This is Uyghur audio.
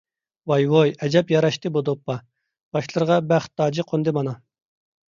ۋاي - ۋۇي، ئەجەب ياراشتى بۇ دوپپا، باشلىرىغا بەخت تاجى قوندى مانا!